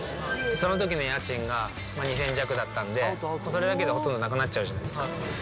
そのときの家賃が２０００弱だったんで、それだけでほとんどなくなっちゃうじゃないですか。